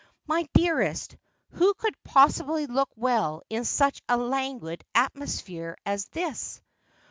' My dearest, who could possibly look well in such a languid atmosphere as this